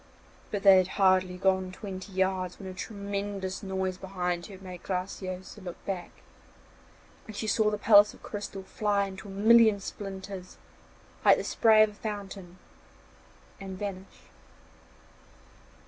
But they had hardly gone twenty yards when a tremendous noise behind her made Graciosa look back, and she saw the palace of crystal fly into a million splinters, like the spray of a fountain, and vanish.